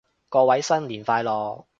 各位新年快樂